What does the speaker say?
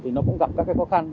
thì nó cũng gặp các khó khăn